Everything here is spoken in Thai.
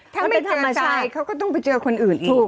ถ้าไม่เจอไซด์ก็ต้องไปเจอคนอื่นอีก